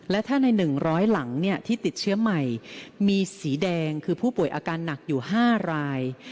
และถ้าใน๑๐๐หลังที่ติดเชื้อใหม่มีสีแดงคือผู้ป่วยอาการหนักอยู่๕ราย